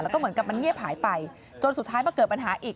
แล้วก็เหมือนกับมันเงียบหายไปจนสุดท้ายมาเกิดปัญหาอีก